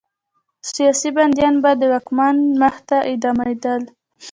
سیاسي بندیان به د واکمن مخې ته اعدامېدل.